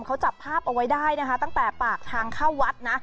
เขาจับภาพเอาไว้ได้นะคะตั้งแต่ปากทางเข้าวัดนะ